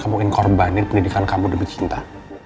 kamu ingin korbani pendidikan kamu demi cinta